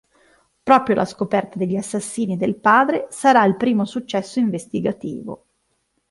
Proprio la scoperta degli assassini del padre sarà il primo successo investigativo.